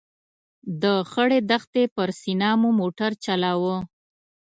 د خړې دښتې پر سینه مو موټر چلاوه.